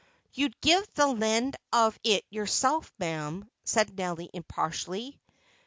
"You'd give the lend of it yourself, ma'am," said Nelly impartially.